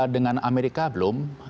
dengan amerika belum